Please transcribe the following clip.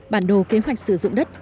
bản đồ kế hoạch sử dụng đất